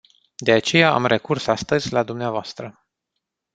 De aceea am recurs astăzi la dumneavoastră.